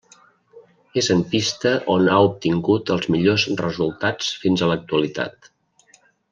És en pista on ha obtingut els millors resultats fins a l'actualitat.